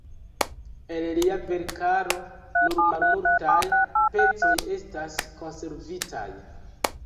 El lia verkaro nur malmultaj pecoj estas konservitaj.